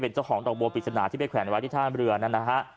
เจ้าของดอกบัวปริศนาที่ไปแขวนไว้ที่ท่ามเรือนั่นนะฮะ